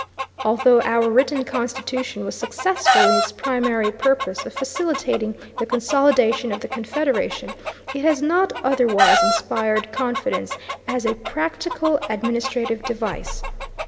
Although our written Constitution was successful in its primary purpose of facilitating the consolidation of the Confederation, it has not otherwise inspired confidence as a practical administrative device.